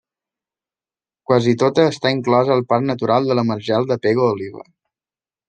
Quasi tota està inclosa al Parc Natural de la Marjal de Pego-Oliva.